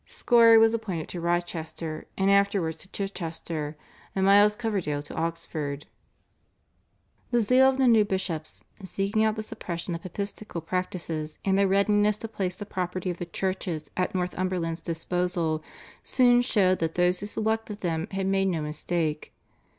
Scory was appointed to Rochester and afterwards to Chichester, and Miles Coverdale to Oxford. The zeal of the new bishops in seeking out the suppression of papistical practices and their readiness to place the property of the churches at Northumberland's disposal soon showed that those who selected them had made no mistake.